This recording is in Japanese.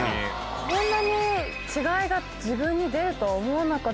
こんなに違いが自分に出るとは思わなかったですね。